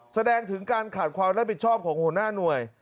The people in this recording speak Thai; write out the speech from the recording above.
แสดงถึงการขาดความรับผิดชอบของหัวหน้าหน่วย